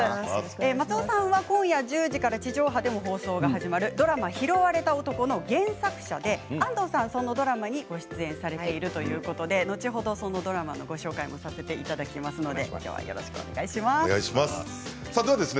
松尾さんは今夜１０時から地上波でも放送が始まるドラマ「拾われた男」の原作者で安藤さんは、そのドラマにご出演されているということで後ほどそのドラマのご紹介もさせていただきますので今日はよろしくお願いいたします。